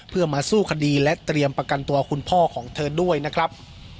เพื่อมาสู้คดีและเตรียมประกันตัวคุณพ่อของเธอด้วยนะครับ